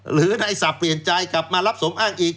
หรือในศัพท์เปลี่ยนใจกลับมารับสมอ้างอีก